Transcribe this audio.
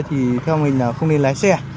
thì theo mình là không nên lái xe